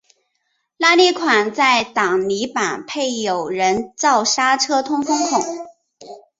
拉力款在挡泥板配有人造刹车通风孔。